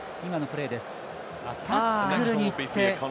タックルに行って。